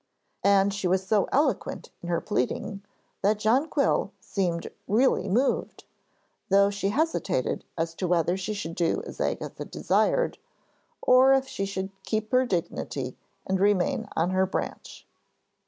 And she was so eloquent in her pleading that Jonquil seemed really moved, though she hesitated as to whether she should do as Agatha desired, or if she should keep her dignity and remain on her branch.